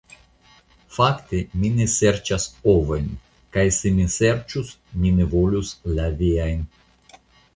Fakte, mi ne serĉas ovojn; kaj se mi serĉus, mi ne volus la viajn.